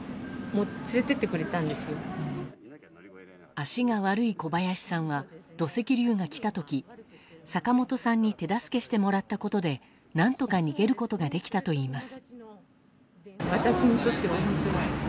足が悪い小林さんは土石流が来た時坂本さんに手助けしてもらったことで何とか逃げることができたといいます。